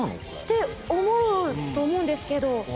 て思うと思うんですけど。